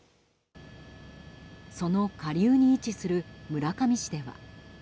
その下流に位置する村上市では。